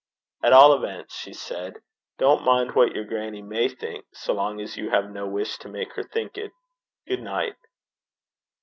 'At all events,' she said, 'don't mind what your grannie may think, so long as you have no wish to make her think it. Good night.'